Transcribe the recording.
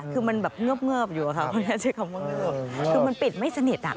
คือมันแบบเงือบอยู่อะค่ะคือมันปิดไม่สนิทน่ะ